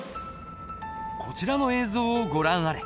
こちらの映像をご覧あれ。